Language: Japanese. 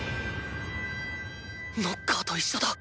ノッカーと一緒だ！